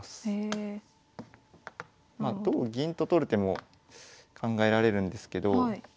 まあ同銀と取る手も考えられるんですけど。